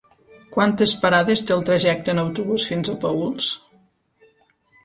Quantes parades té el trajecte en autobús fins a Paüls?